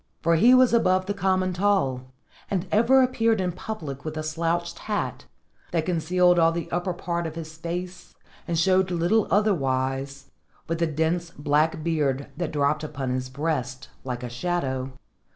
For he was above the common tall, and ever appeared in public with a slouched hat, that concealed all the upper part of his face and showed little otherwise but the dense black beard that dropped upon his breast like a shadow.